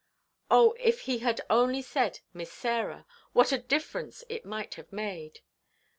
Oh, if he had only said "Miss Sarah," what a difference it might have made!